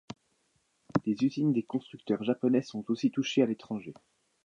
Les usines des constructeurs japonais sont aussi touchées à l'étranger.